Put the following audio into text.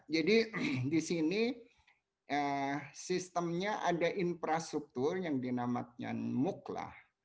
jadi di sini sistemnya ada infrastruktur yang dinamakan mooc lah